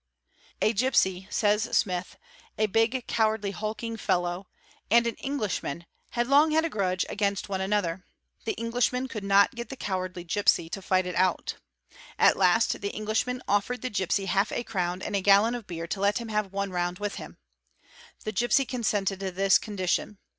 'gipsy," says Smith, "a big cowardly hulking fellow, and an Eng man, had long had a grudge against one another. The Englishman d not get the cowardly gipsy to fight it out. At last the Englishman * 358 : WANDERING TRIBES a | offered the gipsy half a crown and a gallon of beer to let him have one round with him. The gipsy consented to this condition.